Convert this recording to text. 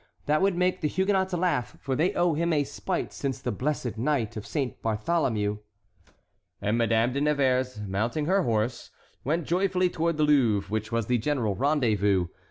That would make the Huguenots laugh, for they owe him a spite since the blessed night of Saint Bartholomew." And Madame de Nevers, mounting her horse, went joyfully towards the Louvre, which was the general rendezvous.